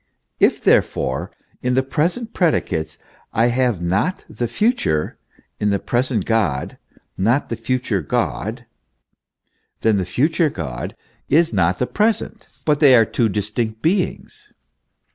If, therefore, in the present predicates I have not the future, in the present God not the future God, then the future God is not the present, but they are two dis tinct beings.